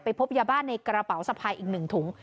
พบยาบ้าในกระเป๋าสะพายอีก๑ถุง